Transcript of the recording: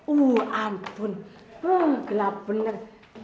uh ampun gelap bener